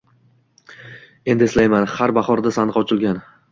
Endi eslayman, har bahorda sandiq ochilgan.